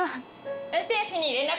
運転手に連絡。